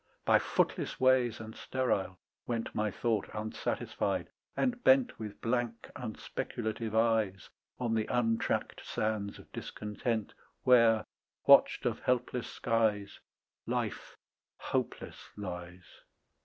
By footless ways and sterile went My thought unsatisfied, and bent With blank unspeculative eyes On the untracked sands of discontent Where, watched of helpless skies, Life hopeless lies.